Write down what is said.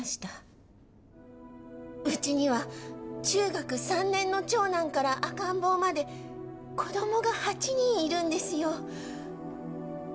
うちには中学３年の長男から赤ん坊まで子どもが８人いるんですよ。